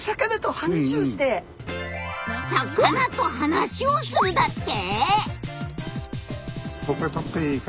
魚と話をするだって？